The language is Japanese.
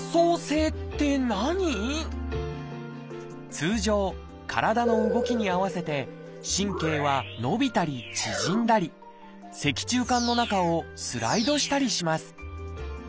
通常体の動きに合わせて神経は伸びたり縮んだり脊柱管の中をスライドしたりします。